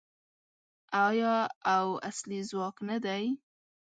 آیا او اصلي ځواک نه دی؟